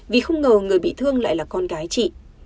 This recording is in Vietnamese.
vì không ngờ người bị thương lại là con gái chị